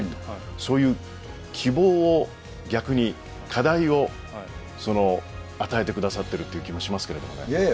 そういう希望を、逆に課題を与えてくださっているという気もしますけどいやいや